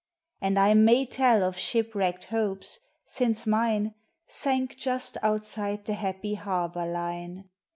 And I may tell of shipwrecked hopes, since mine Sank just outside the happy harbor line.